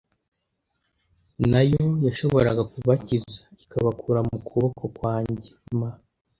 na yo yashobora kubakiza ikabakura mu kuboko kwanjye m